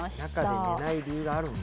中で寝ない理由があるんだ。